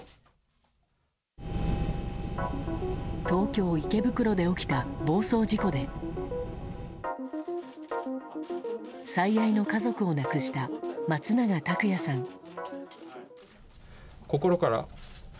東京・池袋で起きた暴走事故で最愛の家族を亡くした松永拓也さん。